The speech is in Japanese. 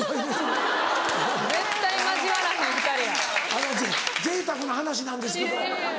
あのぜいたくな話なんですけど。